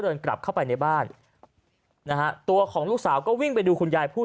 เดินกลับเข้าไปในบ้านนะฮะตัวของลูกสาวก็วิ่งไปดูคุณยายผู้